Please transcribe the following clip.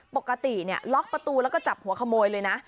ปกติล็อกประตูแล้วก็จับหัวขโมยเลยนะ